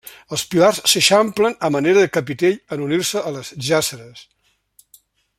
Els pilars s'eixamplen a manera de capitell en unir-se a les jàsseres.